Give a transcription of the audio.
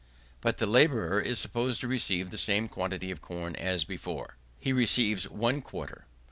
But the labourer is supposed to receive the same quantity of corn as before. He receives one quarter.